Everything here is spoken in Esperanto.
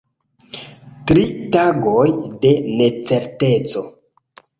Tri tagoj de necerteco.